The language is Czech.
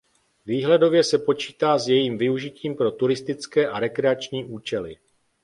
Výhledově se počítá s jejím využitím pro turistické a rekreační účely.